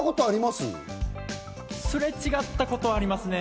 すれ違ったことはありますね。